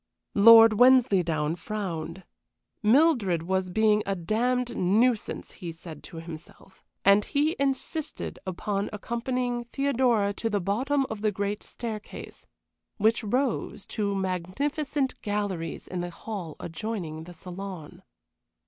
Lord Wensleydown frowned. Mildred was being a damned nuisance, he said to himself, and he insisted upon accompanying Theodora to the bottom of the great staircase, which rose to magnificent galleries in the hall adjoining the saloon.